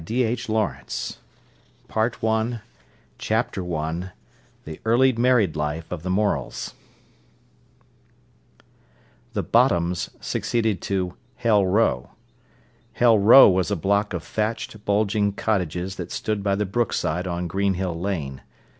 Derelict PART ONE CHAPTER I THE EARLY MARRIED LIFE OF THE MORELS "The Bottoms" succeeded to "Hell Row". Hell Row was a block of thatched, bulging cottages that stood by the brookside on Greenhill Lane.